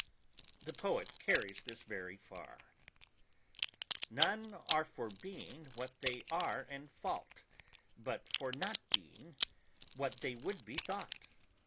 The poet carries this very far: None are for being what they are in fault, But for not being what they would be thought.